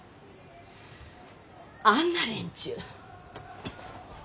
あんな連中！